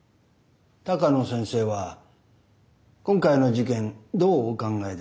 鷹野先生は今回の事件どうお考えですか？